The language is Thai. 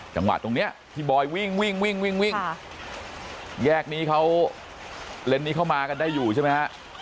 จังหวะตรงเนี้ยที่บอยวิ่งวิ่งวิ่งวิ่งแยกนี้เขาเลนส์นี้เข้ามากันได้อยู่ใช่ไหมฮะ